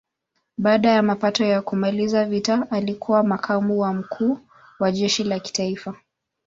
Baada ya mapatano ya kumaliza vita alikuwa makamu wa mkuu wa jeshi la kitaifa.